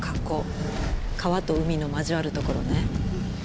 川と海の交わるところね。